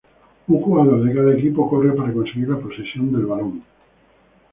Un jugador de cada equipo corre para conseguir la posesión del balón.